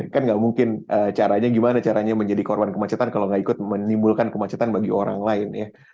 kan nggak mungkin caranya gimana caranya menjadi korban kemacetan kalau nggak ikut menimbulkan kemacetan bagi orang lain ya